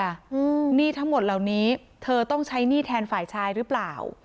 หนี้ทั้งหมดเหล่านี้เธอต้องใช้หนี้แทนฝ่ายชายหรือเปล่า